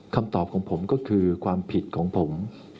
คำตอบของผมก็คือความผิดของผม